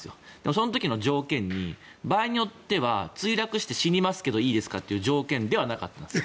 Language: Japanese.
その時の条件に場合によっては墜落して死にますけどいいですかという条件ではなかったんです。